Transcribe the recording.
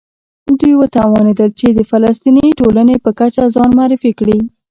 دوی وتوانېدل چې د فلسطیني ټولنې په کچه ځان معرفي کړي.